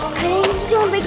makasih ya semua ya